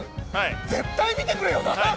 絶対見てくれよな。